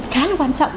khá là quan trọng